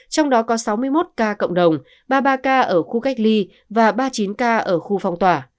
trong đó có sáu mươi một ca cộng đồng ba mươi ba ca ở khu cách ly và ba mươi chín ca ở khu phong tỏa